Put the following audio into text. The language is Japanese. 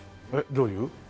どういう？